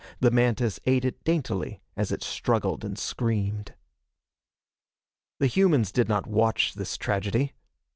The mantis ate it daintily as it struggled and screamed. The humans did not watch this tragedy.